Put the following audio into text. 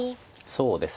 そうですね。